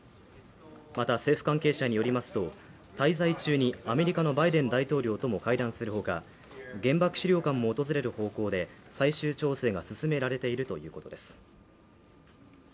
また政府関係者によりますと滞在中にアメリカのバイデン大統領とも会談するほか、原爆資料館も訪れる方向で最終調整が進められているということです。